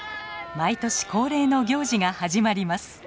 毎年恒例の行事が始まります。